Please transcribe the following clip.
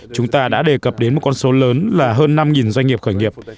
chúng ta đã đề cập đến một con số lớn là hơn năm doanh nghiệp khởi nghiệp